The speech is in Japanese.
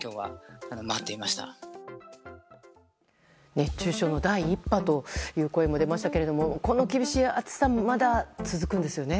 熱中症の第１波という声も出ましたがこの厳しい暑さもまだ続くんですよね。